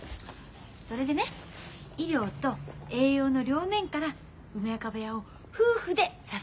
それでね医療と栄養の両面から梅若部屋を夫婦で支える。